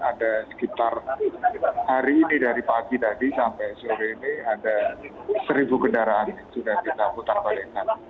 ada sekitar hari ini dari pagi tadi sampai sore ini ada seribu kendaraan sudah kita putar balikan